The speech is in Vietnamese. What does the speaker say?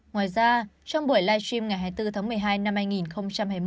ngoài ra trong buổi live stream ngày hai mươi bốn tháng một mươi hai năm hai nghìn hai mươi